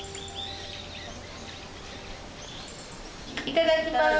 いただきます。